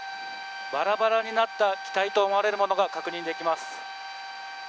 バラバラになった機体と思われるものが確認できます。